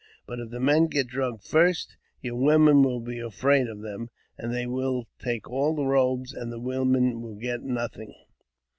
But if the men get drui first, your women will be afraid of them, and they will tak^ all the robes, and the women will get nothing."